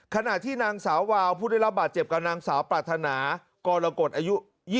ขณะที่นางสาววาวผู้ได้รับบาดเจ็บกับนางสาวปรารถนากรกฎอายุ๒๐